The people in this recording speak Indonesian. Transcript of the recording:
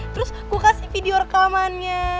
terus aku kasih video rekamannya